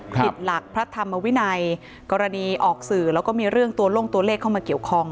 ผิดหลักพระธรรมวินัยกรณีออกสื่อแล้วก็มีเรื่องตัวลงตัวเลขเข้ามาเกี่ยวข้อง